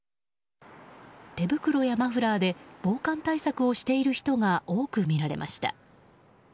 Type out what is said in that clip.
手袋やマフラーで防寒対策をしている人が多く見られました。